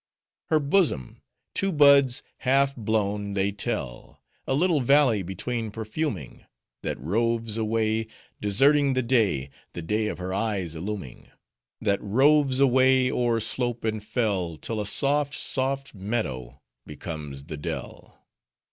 Her bosom! Two buds half blown, they tell; A little valley between perfuming; That roves away, Deserting the day,— The day of her eyes illuming;— That roves away, o'er slope and fell, Till a soft, soft meadow becomes the dell.